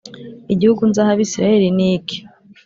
igihugu nzaha Abisirayeli niki